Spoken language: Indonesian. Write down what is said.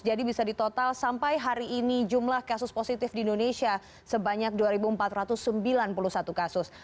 jadi bisa ditotal sampai hari ini jumlah kasus positif di indonesia sebanyak dua empat ratus sembilan puluh satu kasus